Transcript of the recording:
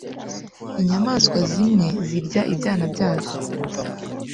Inyamaswa zimwe zirya ibyana byazo.